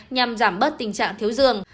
nhằm giảm bớt tình trạng thiếu dường